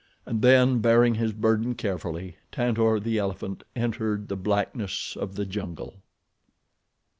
And then, bearing his burden carefully, Tantor, the elephant, entered the blackness of the jungle.